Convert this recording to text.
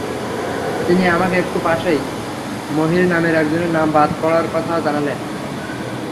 তিনি আমাকে একটু পাশেই মহির নামের একজনের নাম বাদ পড়ার কথা জানালেন।